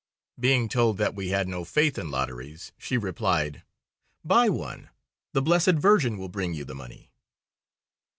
Being told that we had no faith in lotteries, she replied: "Buy one; the Blessed Virgin will bring you the money."